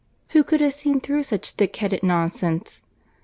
Who could have seen through such thick headed nonsense?